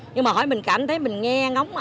nhưng mà hỏi mình cảm thấy mình nghe ngóng